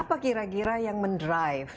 apa kira kira yang mendrive